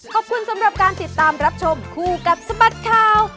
ขอบคุณสำหรับการติดตามรับชมคู่กับสบัดข่าว